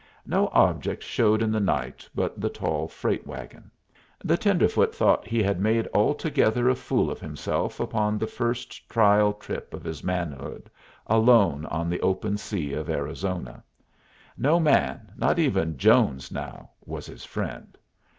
No object showed in the night but the tall freight wagon. The tenderfoot thought he had made altogether a fool of himself upon the first trial trip of his manhood, alone on the open sea of Arizona. No man, not even Jones now, was his friend.